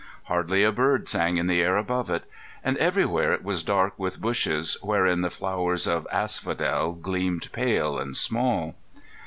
Hardly a bird sang in the air above it; and everywhere it was dark with bushes wherein the flowers of asphodel gleamed pale and small.